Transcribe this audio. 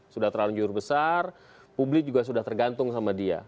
sudah terlanjur besar publik juga sudah tergantung sama dia